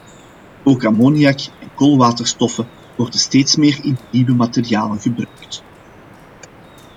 Ook ammoniak en koolwaterstoffen worden steeds meer in de nieuwe materialen gebruikt.